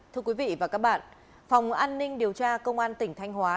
thưa quý vị và các bạn phòng an ninh điều tra công an tỉnh thanh hóa